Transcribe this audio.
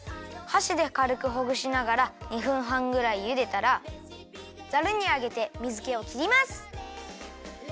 はしでかるくほぐしながら２分はんぐらいゆでたらザルにあげて水けをきります！